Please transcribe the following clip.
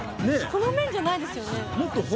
この麺じゃないですよね。